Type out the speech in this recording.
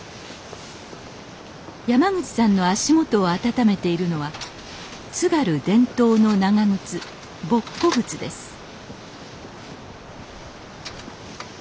山口さんの足元を温めているのは津軽伝統の長靴ボッコ靴です